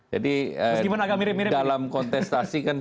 meskipun agak mirip mirip dalam kontestasi kan